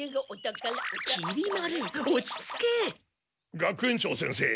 学園長先生。